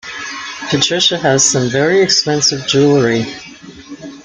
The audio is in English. Patricia has some very expensive jewellery